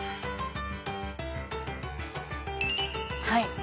はい。